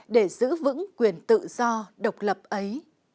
để giữ vững quyền tự do độc lập ấy